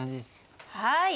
はい。